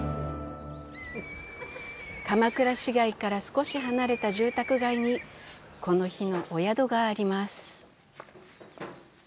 鎌倉市街から少し離れた住宅街にこの日のお宿があります。